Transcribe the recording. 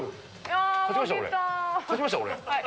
勝ちました？